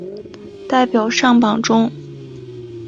代表上榜中